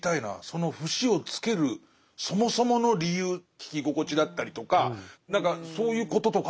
その節をつけるそもそもの理由聴き心地だったりとか何かそういうこととかあるのかしら。